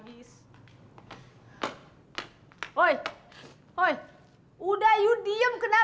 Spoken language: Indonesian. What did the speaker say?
iya di lap